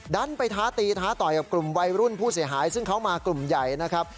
ดันไปท้าตีท้าต่อยกับกลุ่มวัยรุ่นผู้เสียหายซึ่งเขามากลุ่มใหญ่นะครับ